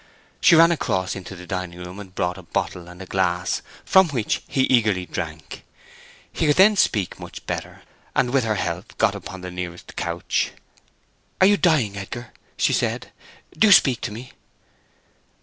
She ran across into the dining room, and brought a bottle and glass, from which he eagerly drank. He could then speak much better, and with her help got upon the nearest couch. "Are you dying, Edgar?" she said. "Do speak to me!"